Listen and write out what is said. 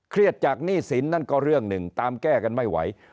จากหนี้สินนั่นก็เรื่องหนึ่งตามแก้กันไม่ไหว